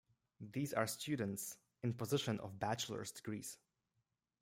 These are students in possession of bachelor's degrees.